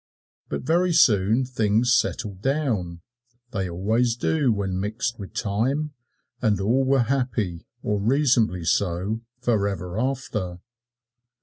But very soon things settled down they always do when mixed with time and all were happy, or reasonably so, forever after.